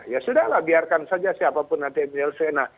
ya sudah lah biarkan saja siapapun nanti yang menyelesaikan